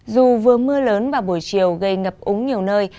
dù vừa mưa lớn vào buổi chiều gây ngập úng nhiều nơi